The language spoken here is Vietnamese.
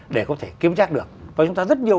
để có thể kiếm trác được và chúng ta rất nhiều